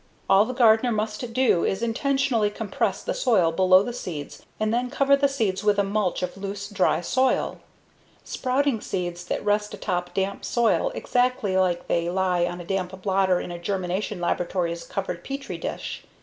All the gardener must do is intentionally compress the soil below the seeds and then cover the seeds with a mulch of loose, dry soil. Sprouting seeds then rest atop damp soil exactly they lie on a damp blotter in a germination laboratory's covered petri dish.